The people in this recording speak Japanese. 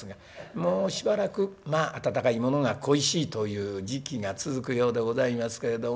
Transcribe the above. もうしばらく温かいものが恋しいという時期が続くようでございますけれども。